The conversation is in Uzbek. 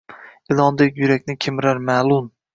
Ilondek yurakni kemirar mal’un.